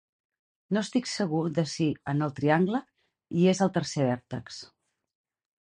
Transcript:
No estic segur de si, en el triangle, I és el tercer vèrtex.